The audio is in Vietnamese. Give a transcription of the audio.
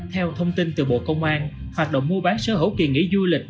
theo thông tin từ bộ công an hoạt động mua bán sở hữu kỳ nghỉ du lịch